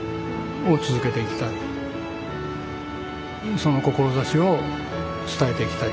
その志を伝えていきたい。